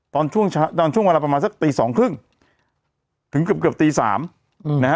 ตอนช่วงตอนช่วงเวลาประมาณสักตีสองครึ่งถึงเกือบเกือบตีสามอืมนะฮะ